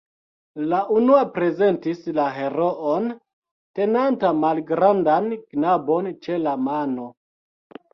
La unua prezentis la heroon, tenanta malgrandan knabon ĉe la mano.